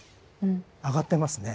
上がってますね。